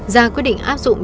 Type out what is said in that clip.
ra quyết định áp dụng